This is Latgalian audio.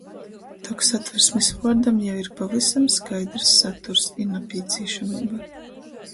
Tok satversmis vuordam jau ir pavysam skaidrys saturs i napīcīšameiba.